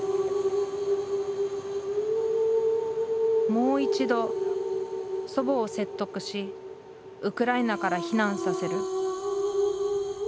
もう一度祖母を説得しウクライナから避難させる